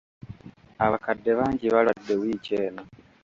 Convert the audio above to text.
Abakadde bangi balwadde wiiki eno.